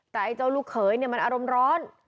แต่ไอ้เจ้าลูกเขยเนี่ยมันอารมณ์ร้อน